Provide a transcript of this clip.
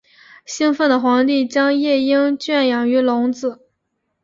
兴奋的皇帝将夜莺圈养于笼子。